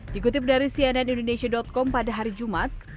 dikutip dari cnn indonesia com pada hari jumat